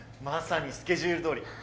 まさにスケジュールどおり！